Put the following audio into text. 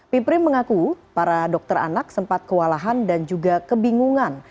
piprim mengaku para dokter anak sempat kewalahan dan juga kebingungan